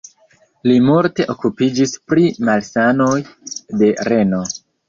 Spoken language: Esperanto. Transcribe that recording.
Li multe okupiĝis pri malsanoj de reno.